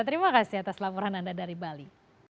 terima kasih atas laporan anda dari bali